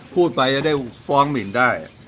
พูดไปจะได้ฟ้องหมินได้